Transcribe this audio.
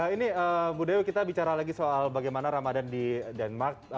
ini bu dewi kita bicara lagi soal bagaimana ramadan di denmark